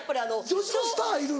女子校スターいるの？